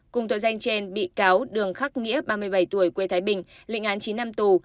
cùng tội danh trên bị cáo đường khắc nghĩa ba mươi bảy tuổi quê thái bình lịnh án chín năm tù